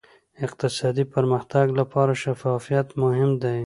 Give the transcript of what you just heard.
اقتصادي پرمختګ لپاره شفافیت مهم دی.